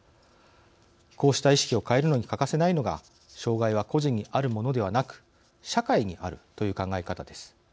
こうした意識を変えるのに欠かせないのが障害は個人にあるものではなく社会にあるという考え方です。